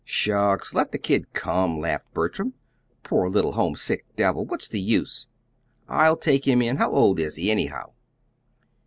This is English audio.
"Shucks! Let the kid come," laughed Bertram. "Poor little homesick devil! What's the use? I'll take him in. How old is he, anyhow?"